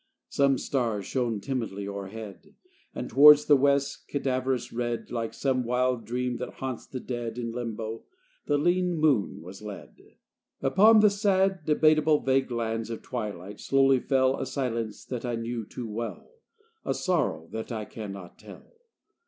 Some stars shone timidly o'erhead; And towards the west's cadaverous red Like some wild dream that haunts the dead In limbo the lean moon was led. Upon the sad, debatable Vague lands of twilight slowly fell A silence that I knew too well, A sorrow that I can not tell.